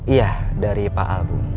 iya dari pak albu